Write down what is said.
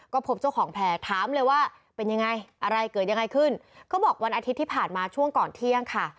ก็พบเจ้าของแพร่ถามเลยว่าเป็นยังไงอะไรเกิดยังไงขึ้นเขาบอกวันอาทิตย์ที่ผ่านมาช่วงก่อนเที่ยงค่ะ